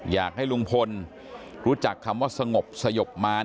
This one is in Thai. อยากให้ลุงพลรู้จักคำว่าสงบสยบมาร